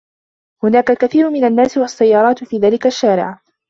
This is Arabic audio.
هناك الكثير من النّاس و السّيّارات في ذلك الشّارع.